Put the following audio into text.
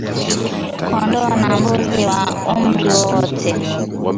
Kondoo na mbuzi wa umri wote